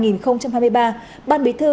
năm hai nghìn hai mươi ba ban bí thư